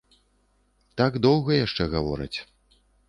Так доўга яшчэ гавораць.